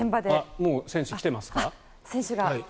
もう選手が来てますか？